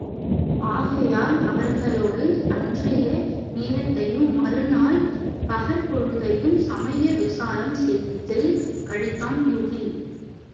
ஆகையால் அவர்களோடு அன்றைய நேரத்தையும் மறுநாள் பகற் பொழுதையும் சமய விசாரம் செய்து கழித்தான் யூகி.